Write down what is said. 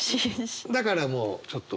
だからもうちょっと。